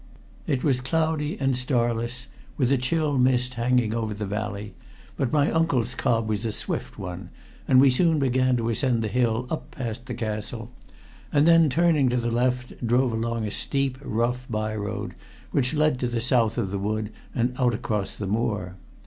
It was cloudy and starless, with a chill mist hanging over the valley; but my uncle's cob was a swift one, and we soon began to ascend the hill up past the castle, and then, turning to the left, drove along a steep, rough by road which led to the south of the wood and out across the moor.